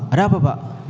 ada apa pak